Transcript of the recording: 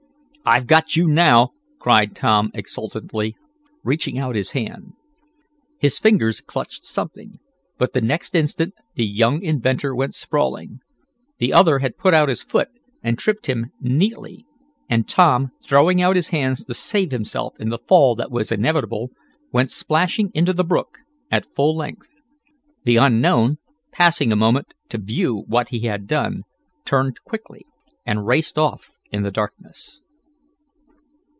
"I've got you now!" cried Tom exultantly, reaching out his hand. His fingers clutched something, but the next instant the young inventor went sprawling. The other had put out his foot, and tripped him neatly and, Tom throwing out his hands to save himself in the fall that was inevitable, went splashing into the brook at full length. The unknown, pausing a moment to view what he had done, turned quickly and raced off in the darkness.